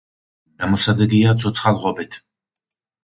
გამოსადეგია ცოცხალ ღობედ.